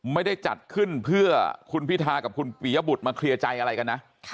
ไม่ได้จัดขึ้นเพื่อคุณพิทากับคุณปียบุตรมาเคลียร์ใจอะไรกันนะ